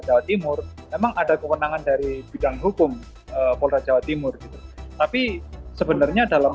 jawa timur memang ada kewenangan dari bidang hukum polda jawa timur gitu tapi sebenarnya dalam